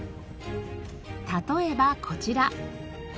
例えばこちら。